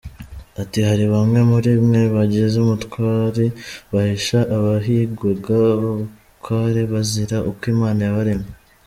Ati “Hari bamwe muri mwe bagize ubutwari bahisha abahigwaga bukware bazira uko Imana yabaremye.